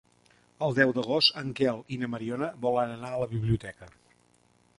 El deu d'agost en Quel i na Mariona volen anar a la biblioteca.